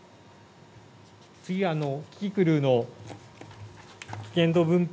次はキキクルの危険度分布